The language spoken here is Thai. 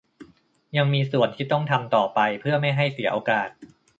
ยังมีส่วนที่ต้องทำต่อไปเพื่อไม่ให้เสียโอกาส